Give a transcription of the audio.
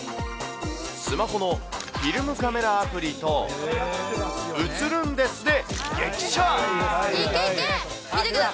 スマホのフィルムカメラアプリと、写ルンですで激写。